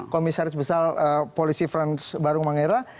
komisaris besar polisi frans barung mangera